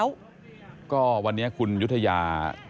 มีความว่ายังไง